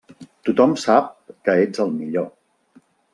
Tothom sap que ets el millor.